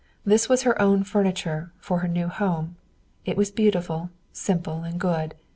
This was her own furniture, for her new home. It was beautiful, simple and good.